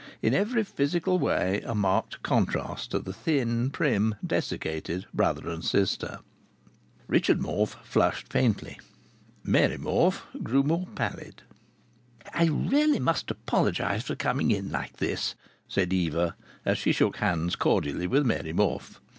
In every physical way a marked contrast to the thin, prim, desiccated brother and sister. Richard Morfe flushed faintly. Mary Morfe grew more pallid. "I really must apologize for coming in like this," said Eva, as she shook hands cordially with Mary Morfe.